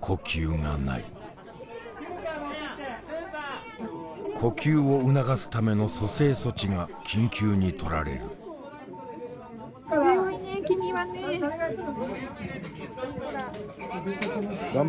呼吸がない呼吸を促すための蘇生措置が緊急に取られる頑張れ。